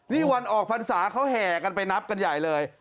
นี่วันออกภัณฑ์ศาสตร์เขาแห่กันไปนับกันใหญ่เลย